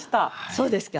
そうですか？